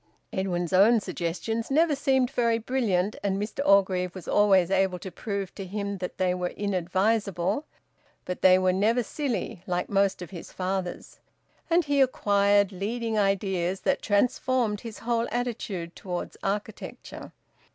Edwin's own suggestions never seemed very brilliant, and Mr Orgreave was always able to prove to him that they were inadvisable; but they were never silly, like most of his father's. And he acquired leading ideas that transformed his whole attitude towards architecture.